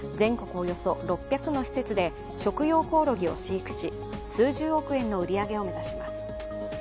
およそ６００の施設で、食用コオロギを飼育し数十億円の売り上げを目指します。